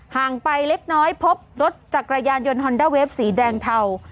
ห่างไปเล็กน้อยพบรถจักรยานยนต์ฮอนด้าเวฟสีแดงเทา